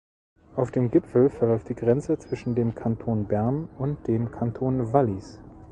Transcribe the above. Auf dem Gipfel verläuft die Grenze zwischen dem Kanton Bern und dem Kanton Wallis.